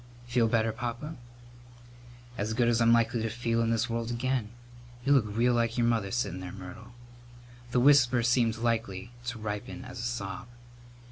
"Feel better, Papa?" "As good as I'm likely to feel in this world again. You look real like your mother settin' there, Myrtle." The whisper seemed likely to ripen as a sob.